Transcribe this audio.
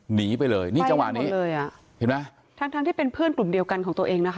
หนีไปเลยนี่จังหวะนี้เลยอ่ะเห็นไหมทั้งทั้งที่เป็นเพื่อนกลุ่มเดียวกันของตัวเองนะคะ